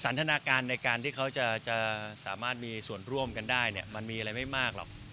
ทนาการในการที่เขาจะสามารถมีส่วนร่วมกันได้เนี่ยมันมีอะไรไม่มากหรอก